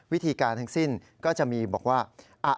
วิธีการทั้งสิ้นก็จะมีบอกว่า